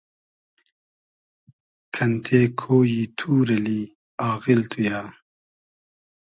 کئنتې کۉیی توور اللی آغیل تو یہ